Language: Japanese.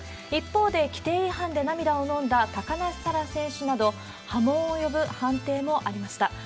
一方で、規定違反で涙をのんだ高梨沙羅選手など、波紋を呼ぶ判定もありました。